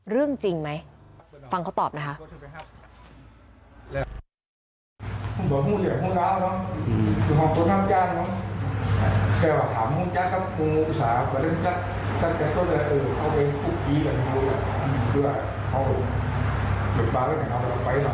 เรื่องจริงไหมฟังเขาตอบนะคะ